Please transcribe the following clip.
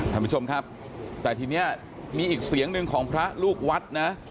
ท่านผู้ชมครับแต่ทีนี้มีอีกเสียงหนึ่งของพระลูกวัดนะ